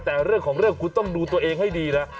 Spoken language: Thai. แต่เรื่องของเรื่องคุณต้องดูตัวเองให้ดีนะ